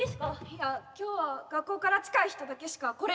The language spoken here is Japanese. いや今日は学校から近い人だけしか来れんくて。